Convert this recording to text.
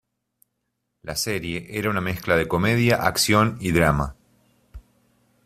La serie era una mezcla de comedia, acción y drama.